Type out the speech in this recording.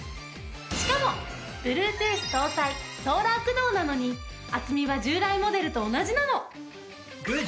Ｂｌｕｅｔｏｏｔｈ搭載ソーラー駆動なのに厚みは従来モデルと同じなの！